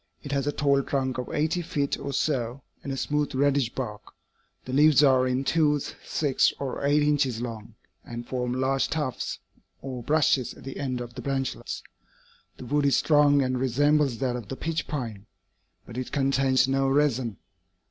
It has a tall trunk of eighty feet or so, and a smooth reddish bark. The leaves are in twos, six or eight inches long, and form large tufts or brushes at the end of the branchlets. The wood is strong and resembles that of the pitch pine, but it contains no resin.